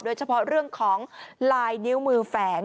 โดยเฉพาะเรื่องของลายนิ้วมือแฝง